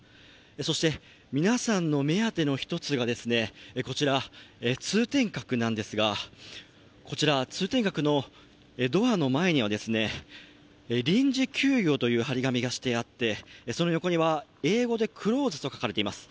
そして、皆さんの目当ての１つが、こちら、通天閣なんですが、こちら通天閣のドアの前には臨時休業という貼り紙がしてあってその横には英語でクローズと書かれています